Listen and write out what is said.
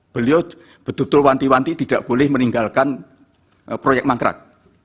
beliau betul betul wanti wanti tidak boleh meninggalkan proyek mangkrak